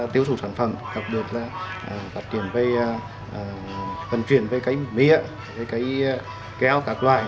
tư sụp sản phẩm hoặc được phát triển về phần chuyển về cây mía cây kéo các loại